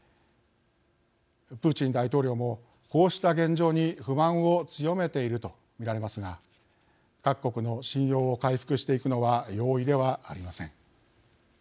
プーチン大統領もこうした現状に不満を強めていると見られますが各国の信用を回復していくのは容易ではありません。